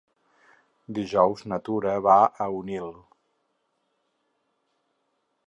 Dijous na Tura va a Onil.